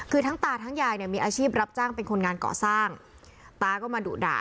คือทั้งตาทั้งยายเนี่ยมีอาชีพรับจ้างเป็นคนงานก่อสร้างตาก็มาดุด่า